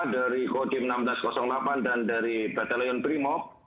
dari kodim seribu enam ratus delapan dan dari batalion brimob